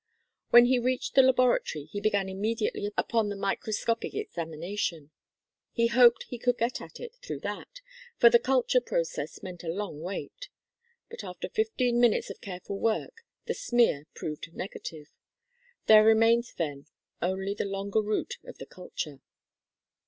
When he reached the laboratory he began immediately upon the microscopic examination. He hoped he could get at it through that, for the culture process meant a long wait. But after fifteen minutes of careful work the "smear" proved negative. There remained then only the longer route of the culture.